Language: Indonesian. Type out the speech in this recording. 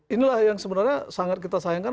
inilah yang sebenarnya sangat kita sayangkan